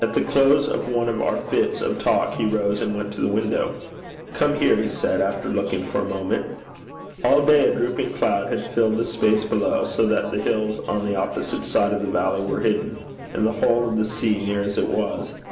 At the close of one of our fits of talk, he rose and went to the window. 'Come here,' he said, after looking for a moment. All day a dropping cloud had filled the space below, so that the hills on the opposite side of the valley were hidden, and the whole of the sea, near as it was.